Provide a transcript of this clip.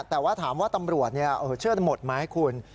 แต่ว่าถามว่าตำรวจเชื่อหมดไหมคุณ